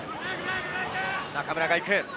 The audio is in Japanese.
中村が行く。